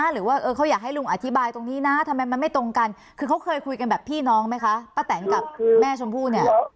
หรือว่าเขาอยากให้ลุงอธิบายตรงนี้นะทำไมมันไม่ตรงกันคือเขาเคยคุยกันแบบพี่น้องไหมคะป้าแตนกับแม่ชมพู่เนี่ย